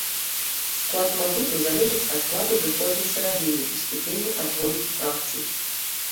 Склад мазуту залежыць ад складу зыходнай сыравіны і ступені адгонкі фракцый.